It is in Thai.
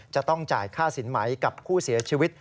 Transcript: จะต้องจ่ายค่าสินไหมกับผู้เสียชีวิต